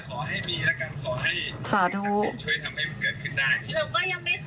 แต่ก็ยังไม่เคยเจอน้องพร้อมเลยอยากอุ้มน้องพร้อม